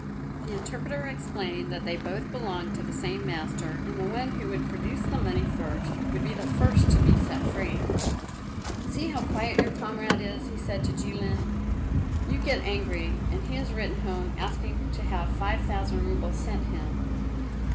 The interpreter explained that they both belonged to the same master, and that the one who would produce the money first would be the first to be set free. "See how quiet your comrade is," he said to Jilin. "You get angry and he has written home asking to have five thousand roubles sent him.